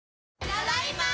ただいま。